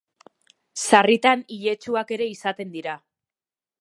Sarritan iletsuak ere izaten dira.